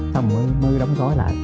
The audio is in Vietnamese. xong mới đóng gói lại